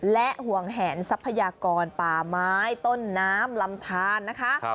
และห่วงแหนทรัพยากรป่าไม้ต้นน้ำลำทานนะคะ